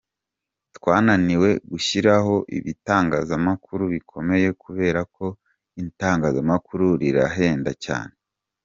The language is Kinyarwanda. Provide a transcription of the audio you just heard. "Twananiwe gushyiraho ibitangazamakuru bikomeye kubera ko itangazamakuru rirahenda cyane.